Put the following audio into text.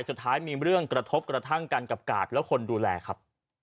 สุดท้ายมีเรื่องกระทบกระทั่งกันกับกาดและคนดูแลครับ